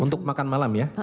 untuk makan malam ya